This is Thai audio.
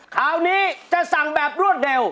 คราวนี้จะสั่งแบบรวดเร็ว